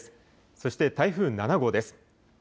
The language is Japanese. そして台風７号です。